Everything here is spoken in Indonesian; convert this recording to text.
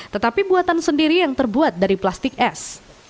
tetapi buatan sendiri yang terbuat dari plastik es